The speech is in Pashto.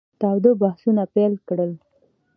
تاوده بحثونه پیل کړل.